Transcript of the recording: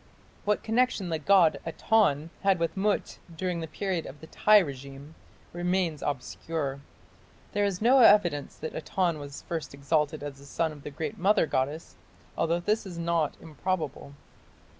What connection the god Aton had with Mut during the period of the Tiy regime remains obscure. There is no evidence that Aton was first exalted as the son of the Great Mother goddess, although this is not improbable.